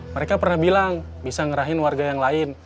mereka pernah bilang bisa ngerahin warga yang lain